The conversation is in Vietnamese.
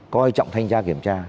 có ý trọng thanh tra kiểm tra